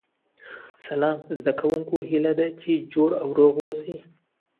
سلام زده کوونکو هیله ده چې جوړ او روغ اوسئ